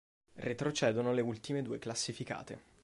Retrocedono le ultime due classificate.